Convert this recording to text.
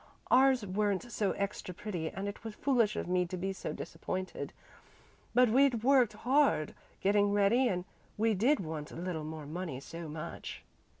Ours weren't so extra pretty and it was foolish of me to be so disappointed, but we'd worked hard getting ready and we did want a little more money so much."